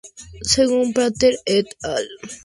Según Prater et al.